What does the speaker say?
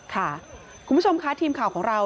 ค่ะคุณผู้ชมค่ะทีมข่าวของเรา